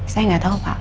saya gak tahu pak